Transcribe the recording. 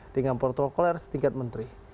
dengan protokol setingkat menteri